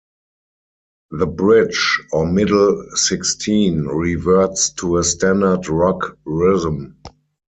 The bridge, or middle sixteen, reverts to a standard rock rhythm.